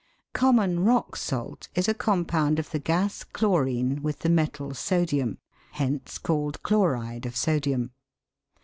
Common rock salt is a compound of the gas chlorine with the metal sodium, hence called chloride of sodium.